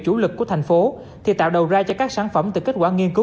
chủ lực của thành phố thì tạo đầu ra cho các sản phẩm từ kết quả nghiên cứu